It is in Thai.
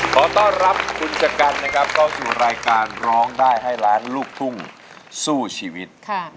ขอต้อนรับคุณชะกันนะครับเข้าสู่รายการร้องได้ให้ล้านลูกทุ่งสู้ชีวิต